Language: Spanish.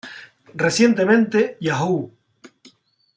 Recientemente, Yahoo!